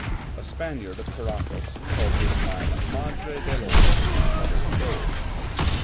A Spaniard of Caracas called this mine Madre del Oro (mother of gold)."